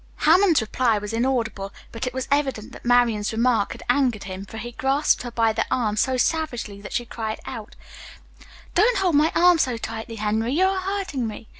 Hammond's reply was inaudible, but it was evident that Marian's remark had angered him, for he grasped her by the arm so savagely that she cried out: "Don't hold my arm so tightly, Henry, you are hurting me.